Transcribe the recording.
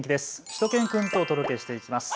しゅと犬くんとお届けしていきます。